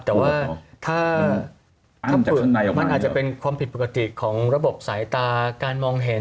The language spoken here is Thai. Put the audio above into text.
แต่ว่าถ้ามันอาจจะเป็นความผิดปกติของระบบสายตาการมองเห็น